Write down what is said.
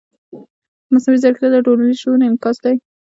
مصنوعي ځیرکتیا د ټولنیز شعور انعکاس دی.